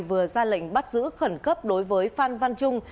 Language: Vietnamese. vừa ra lệnh bắt giữ khẩn cấp đối với phan văn trung